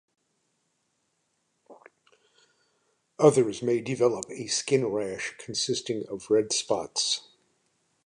Others may develop a skin rash consisting of red spots.